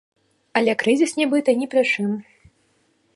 Але крызіс нібыта ні пры чым.